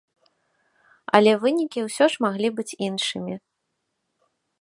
Але вынікі ўсё ж маглі быць іншымі.